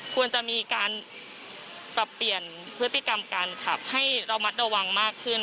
ควรจะมีการปรับเปลี่ยนพฤติกรรมการขับให้ระมัดระวังมากขึ้น